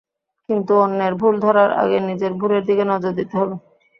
কিন্তু অন্যের ভুল ধরার আগে নিজের ভুলের দিকে নজর দিতে হবে।